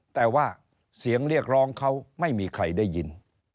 แต่ว่าเสียงเรียกร้องเขาไม่มีใครได้ยิน